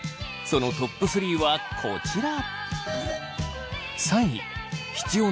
そのトップ３はこちら。